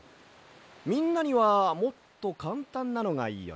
みんなにはもっとかんたんなのがいいよね。